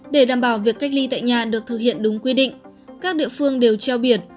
để đảm bảo việc cách ly tại nhà được thực hiện đúng quy định các địa phương đều treo biển